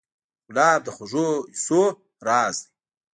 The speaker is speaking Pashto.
ګلاب د خوږو حسونو راز دی.